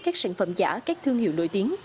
các sản phẩm giả các thương hiệu nổi tiếng